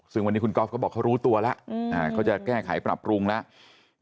ซึ่งวันนี้คุณก๊อฟเขาบอกเขารู้ตัวแล้วเขาจะแก้ไขปรับปรุงแล้ว